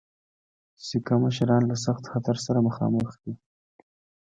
سیکه مشران له سخت خطر سره مخامخ دي.